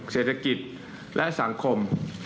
เศรษฐกิจและสังคม